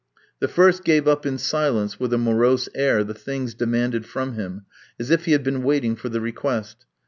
The first gave up in silence, with a morose air, the things demanded from him, as if he had been waiting for the request.